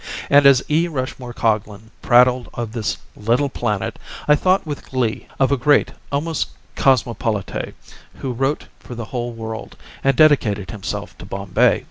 And as E. Rushmore Coglan prattled of this little planet I thought with glee of a great almost cosmopolite who wrote for the whole world and dedicated himself to Bombay.